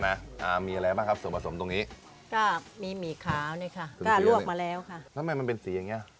นะมีอะไรบ้างส่วนผสมตรงนี้ก้าวมีหมี่ขาวนี้ค่ะกล้าล่วงมาแล้วค่ะก็ไม่มันเป็นสี